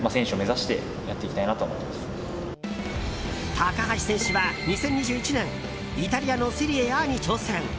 高橋選手は２０２１年イタリアのセリエＡに挑戦。